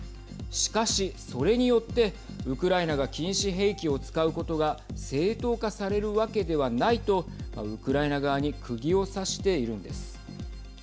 しかし、それによってウクライナが禁止兵器を使うことが正当化されるわけではないとウクライナ側にくぎを刺しているんです。